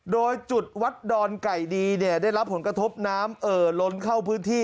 โดยจุดวัดดอนไก่ดีเนี่ยได้รับผลกระทบน้ำเอ่อล้นเข้าพื้นที่